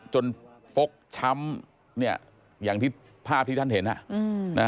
จนฟกช้ำอย่างภาพที่ท่านเห็นนะฮะ